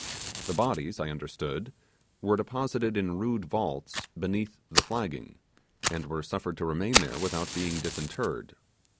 The bodies, I understood, were deposited in rude vaults beneath the flagging, and were suffered to remain there without being disinterred.